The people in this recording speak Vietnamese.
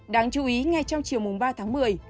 đáng chú ý ngay trong chiều mùng ba tháng một mươi